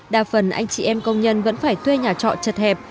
đa phần anh chị em công nhân vẫn phải thuê nhà trọ chật hẹp